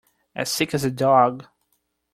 As sick as a dog.